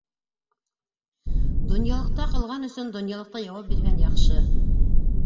Донъялыҡта ҡылған өсөн донъялыҡта яуап биргән яҡшы.